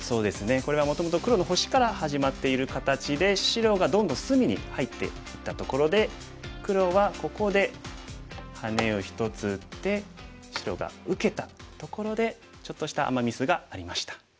これはもともと黒の星から始まっている形で白がどんどん隅に入っていったところで黒はここでハネを１つ打って白が受けたところでちょっとしたアマ・ミスがありました。